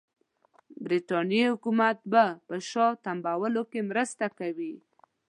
برټانیې حکومت به په شا تمبولو کې مرسته کوي.